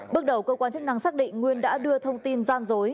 bước đầu cơ quan chức năng xác định nguyên đã đưa thông tin gian dối